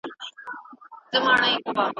دا ډېره ښه لاره ده.